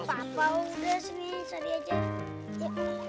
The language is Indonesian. gak apa apa udah sini sari aja